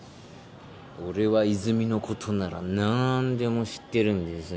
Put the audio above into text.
俺は泉のことならなーんでも知ってるんですよ